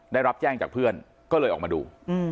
ได้รับแจ้งจากเพื่อนก็เลยออกมาดู